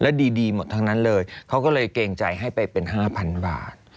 ดีหมดทั้งนั้นเลยเขาก็เลยเกรงใจให้ไปเป็น๕๐๐บาท